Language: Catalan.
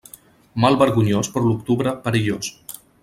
Mal vergonyós, per l'octubre, perillós.